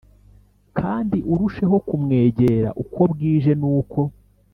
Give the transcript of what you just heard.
kandi urusheho kumwegera uko bwije n uko